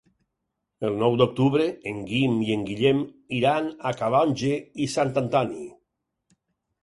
El nou d'octubre en Guim i en Guillem iran a Calonge i Sant Antoni.